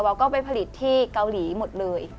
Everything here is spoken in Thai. เราก็ไปผลิตที่เกาหลีหมดเลย